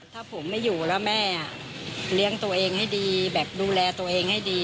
ถ้าผมไม่อยู่แล้วแม่เลี้ยงตัวเองให้ดีแบบดูแลตัวเองให้ดี